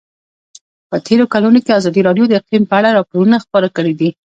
په تېرو کلونو کې ازادي راډیو د اقلیم په اړه راپورونه خپاره کړي دي.